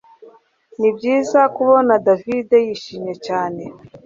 Nibyiza kubona David yishimye cyane